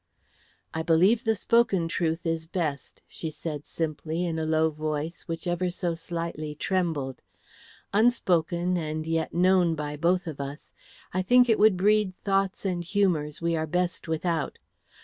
"I believe the spoken truth is best," she said simply in a low voice which ever so slightly trembled. "Unspoken and yet known by both of us, I think it would breed thoughts and humours we are best without.